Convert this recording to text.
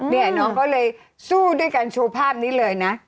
เนี่ยน้องก็เลยสู้ด้วยการโชว์ภาพนี้เลยนะ